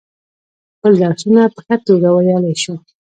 خپل درسونه په ښه توگه ویلای شو.